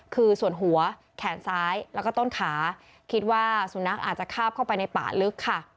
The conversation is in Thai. คือส่วนหัวแขนซ้ายแล้วก็ต้นขาคิดว่าสุนัขอาจจะคาบเข้าไปในป่าลึกค่ะ